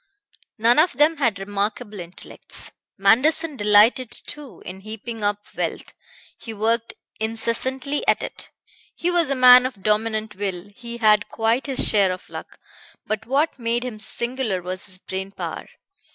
None of them had remarkable intellects. Manderson delighted too in heaping up wealth; he worked incessantly at it; he was a man of dominant will; he had quite his share of luck; but what made him singular was his brain power.